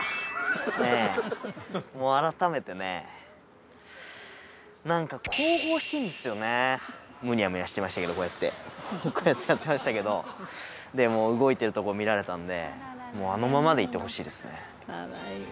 もう改めてね何かムニャムニャしてましたけどこうやってこうやってやってましたけどでも動いてるとこ見られたんであのままでいてほしいですね